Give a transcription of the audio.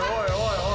おい